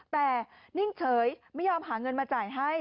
แต่นิ่งเฉยไม่ยอมหาเงินมาจ่ายให้